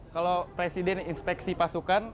kalau presiden inspeksi pasukan